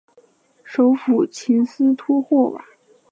首府琴斯托霍瓦。